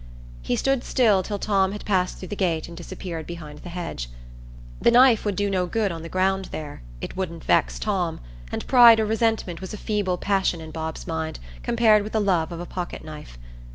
He stood still till Tom had passed through the gate and disappeared behind the hedge. The knife would do no good on the ground there; it wouldn't vex Tom; and pride or resentment was a feeble passion in Bob's mind compared with the love of a pocket knife.